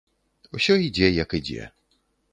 Усё ідзе, як ідзе.